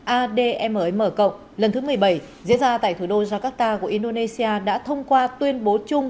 admm lần thứ một mươi bảy diễn ra tại thủ đô jakarta của indonesia đã thông qua tuyên bố chung